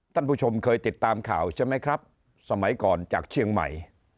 ท่านผู้ชมเคยติดตามข่าวใช่ไหมครับสมัยก่อนจากเชียงใหม่